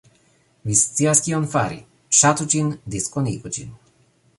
Vi scias kion fari - Ŝatu ĝin, diskonigu ĝin